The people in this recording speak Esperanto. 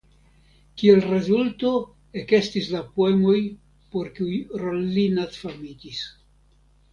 Kiel rezulto ekestis la poemoj por kiuj Rollinat famiĝis.